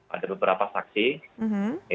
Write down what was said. ada beberapa saksi